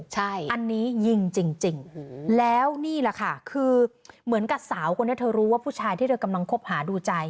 เหมือนกับสาวกว่าเธอรู้ว่าผู้ชายที่เธอกำลังคบหาดูใจ